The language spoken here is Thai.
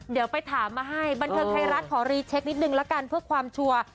เดี๋ยวไปถามมาให้บันเทิงไทยรัฐขอรีเช็คนิดนึงละกันเพื่อความชัวร์